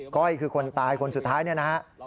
ก้อยคือคนตายคนสุดท้ายนะครับ